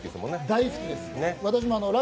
大好きです